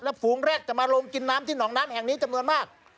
ฝูงแร็ดจะมาลงกินน้ำที่หนองน้ำแห่งนี้จำนวนมาก